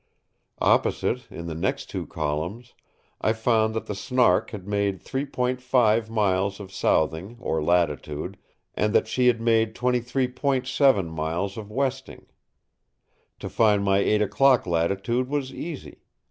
Opposite, in the next two columns, I found that the Snark had made 3.5 miles of southing or latitude, and that she had made 23.7 miles of westing. To find my eight o'clock' latitude was easy.